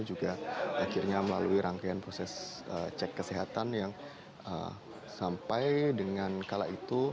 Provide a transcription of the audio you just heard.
juga akhirnya melalui rangkaian proses cek kesehatan yang sampai dengan kala itu